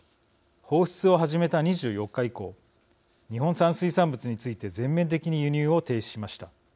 放出を始めた２４日以降日本産水産物について全面的に輸入を停止しました。